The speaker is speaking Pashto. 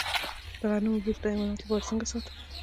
د غنمو بوس د حیواناتو لپاره څنګه ساتم؟